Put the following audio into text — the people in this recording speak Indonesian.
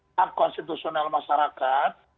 memastikan hak konstitusional masyarakat